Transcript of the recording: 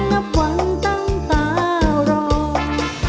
น้องนับหวังตั้งแต่ร้อง